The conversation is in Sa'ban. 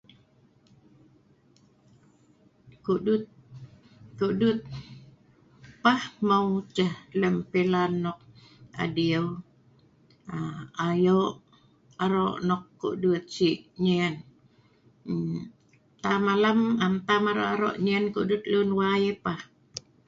Kudut.. kudut pah hmeu ceh lem pelan nok adiu, ayok arok nok kudut sik nyien. Tam alam am tam arok-arok nyien kudut lun wai ai pah.